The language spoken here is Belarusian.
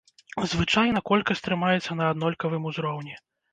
Звычайна, колькасць трымаецца на аднолькавым узроўні.